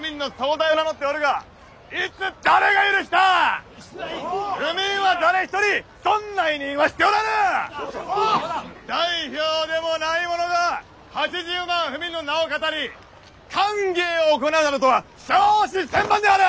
代表でもない者が８０万府民の名を騙り歓迎を行うなどとは笑止千万である！